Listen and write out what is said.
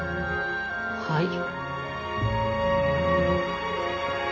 はい。